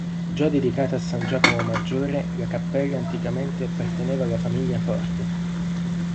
Già dedicata a san Giacomo Maggiore, la cappella anticamente apparteneva alla famiglia Forti.